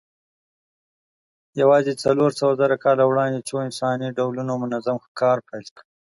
یواځې څلورسوهزره کاله وړاندې څو انساني ډولونو منظم ښکار پیل کړ.